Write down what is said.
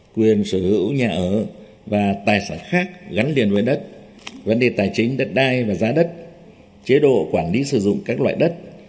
quyền sở hữu nhà ở và tài sản khác gắn liền với đất vấn đề tài chính đất đai và giá đất chế độ quản lý sử dụng các loại đất